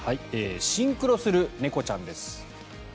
シンクロする猫ちゃんです。